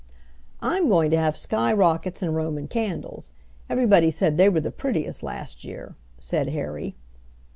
"I'm going to have sky rockets and Roman candles. Everybody said they were the prettiest last year," said Harry.